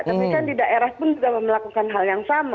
tapi kan di daerah pun sudah melakukan hal yang sama